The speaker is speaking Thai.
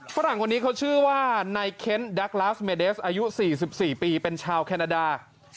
ฝรั่งคนนี้เขาชื่อว่านายเคนดักลาสเมเดสอายุ๔๔ปีเป็นชาวแคนาดา